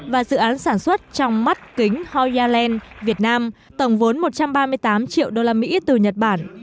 và dự án sản xuất trong mắt kính hoya land việt nam tổng vốn một trăm ba mươi tám triệu đô la mỹ từ nhật bản